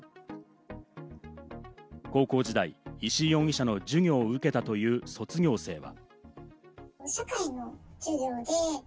高校時代、石井容疑者の授業を受けたという卒業生は。